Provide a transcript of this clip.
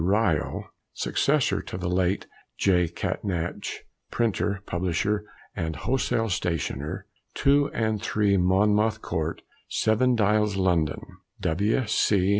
Ryle), successor to the late J. Catnach, Printer, Publisher, and Wholesale Stationer, 2 and 3, Monmouth Court, Seven Dials, London, W.C.